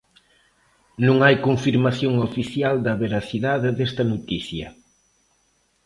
Non hai confirmación oficial da veracidade desta noticia.